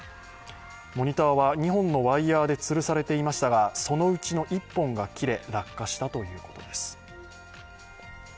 モニターは２本のワイヤーでつるされていましたが、そのうちの１本が切れ、落下したということです。